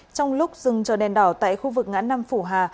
trong lúc dừng chờ đèn đỏ tại khu vực ngã năm phủ hà